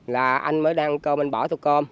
là anh mới đang bỏ thuốc cơm